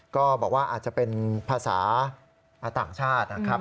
ก็บอกว่าอาจจะเป็นภาษาต่างชาตินะครับ